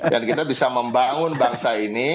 dan kita bisa membangun bangsa ini